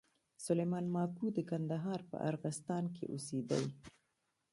سلېمان ماکو د کندهار په ارغسان کښي اوسېدئ.